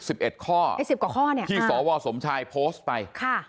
สิบเอ็ดข้อไอ้สิบกว่าข้อเนี้ยที่สวสมชายโพสต์ไปค่ะ